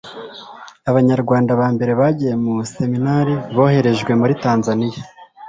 abanyarwanda ba mbere bagiye mu seminari boherejwe muritanzaniya